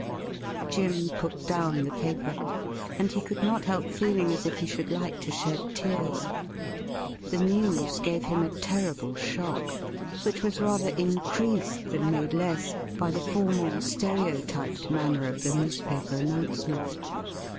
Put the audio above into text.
Jim put down the paper, and he could not help feeling as if he should like to shed tears. The news gave him a terrible shock, which was rather increased than made less by the formal stereotyped manner of the newspaper announcement.